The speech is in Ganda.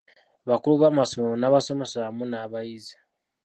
Abakulu b’amasomero n’abasomesa wamu n’abayizi